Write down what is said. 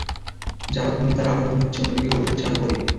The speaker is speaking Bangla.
যারা ধনী, তারা আরও ধনী হচ্ছে, অন্যদিকে গরিব হচ্ছে আরও গরিব।